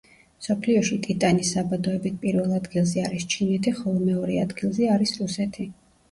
მსოფლიოში ტიტანის საბადოებით პირველ ადგილზე არის ჩინეთი ხოლო მეორე ადგილზე არის რუსეთი.